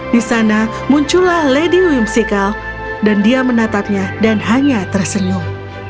di sana muncullah lady whimsical dan dia menatapnya dan hanya tersenyum